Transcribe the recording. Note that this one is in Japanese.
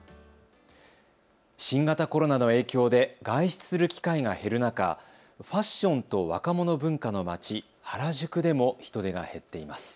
新型コロナの影響で外出する機会が減る中、ファッションと若者文化の街、原宿でも人出が減っています。